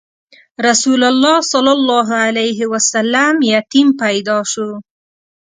رسول الله ﷺ یتیم پیدا شو.